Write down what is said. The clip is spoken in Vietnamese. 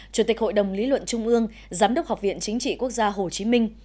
chủ tịch hội đồng lý luận trung ương giám đốc học viện chính trị quốc gia hồ chí minh